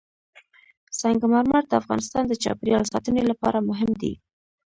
سنگ مرمر د افغانستان د چاپیریال ساتنې لپاره مهم دي.